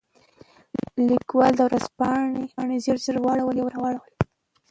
لیکوال د ورځپاڼې پاڼې ژر ژر واړولې او راواړولې.